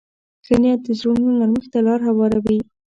ښه نیت د زړونو نرمښت ته لار هواروي.